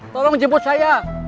tolong jemput saya